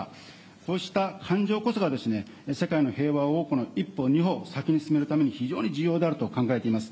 こうした感情こそが、世界の平和を１歩、２歩、先に進めるために非常に重要であると考えております。